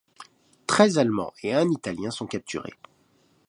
Treize Allemands et un Italien sont capturés.